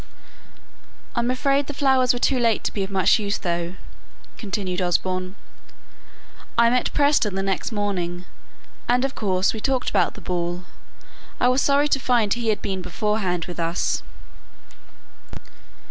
"I'm afraid the flowers were too late to be of much use, though," continued Osborne. "I met Preston the next morning, and of course we talked about the ball. I was sorry to find he had been beforehand with us."